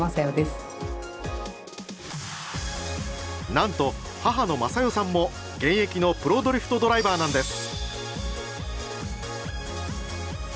なんと母の昌世さんも現役のプロドリフトドライバーなんです。